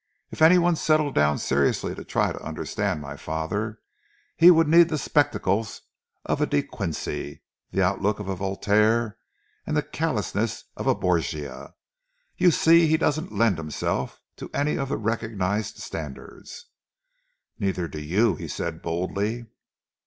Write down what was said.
"If any one settled down seriously to try and understand my father, he would need the spectacles of a De Quincey, the outlook of a Voltaire, and the callousness of a Borgia. You see, he doesn't lend himself to any of the recognised standards." "Neither do you," he said boldly.